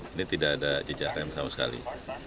ini tidak ada jejak rem sama sekali